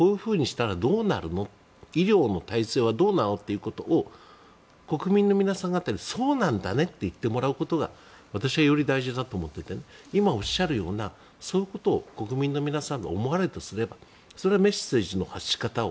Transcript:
こういうふうにしたらどうなるの医療の体制はどうなるのということは国民の皆さん方にそうなんだねって言ってもらうことが私はより大事だと思っていて今おっしゃるようなそういうことを国民の皆さんが思われているとすればそれはメッセージの発し方を